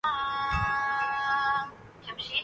مخاطب کی بات چہ جائیکہ غلط ہی کیوں نہ ہوکمال تحمل سے سنتے ہیں